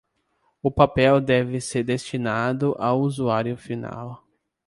O papel deve ser destinado ao usuário final.